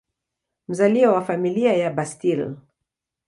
Mzaliwa wa Familia ya Bustill.